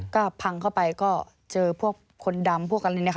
ก็พังเข้าไปก็เจอพวกคนดำ